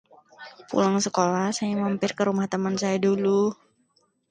Pulang sekolah saya mampir ke rumah teman saya dulu.